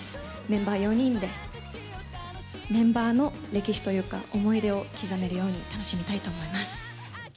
メンバー４人で、メンバーの歴史というか、思い出を刻めるように、楽しみたいと思います。